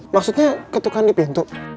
maksudnya ketukan di pintu